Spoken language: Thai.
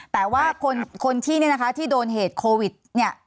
แต่ว่าคนที่เนี่ยนะคะที่โดนเหตุโควิดเนี่ย